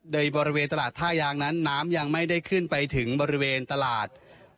โดยบริเวณตลาดท่ายางนั้นน้ำยังไม่ได้ขึ้นไปถึงบริเวณตลาด